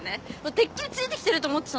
てっきりついてきてると思ってた。